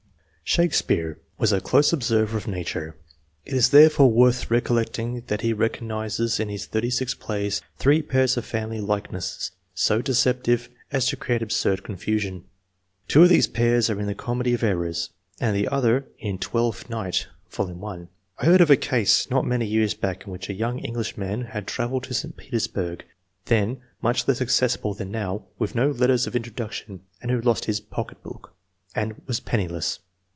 Shakespeare was a close observer of nature ; it is, therefore, worth recollecting that he recognizes in his thirty six plays three pairs of family likeness so deceptive as to create absurd confusion. Two of these pairs are in the " Comedy of Errors," and the other in "Twelfth Night" (v. 1.) I heard of a case not many years back in which a young English man had travelled to St. Petersburg, then much less accessible than now, with no letters of introduction, and who lost his pocket book, and was penniless.